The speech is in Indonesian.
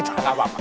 oh enggak apa apa